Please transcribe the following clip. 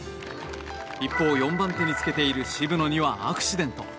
一方、４番手につけている渋野にはアクシデント。